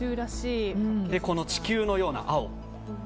地球のような青。